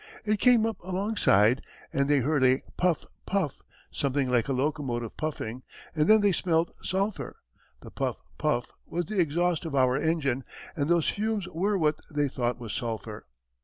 It came up alongside, and they heard a 'puff, puff,' something like a locomotive puffing, and then they smelt sulphur." (The "puff, puff" was the exhaust of our engine and those fumes were what they thought was sulphur.)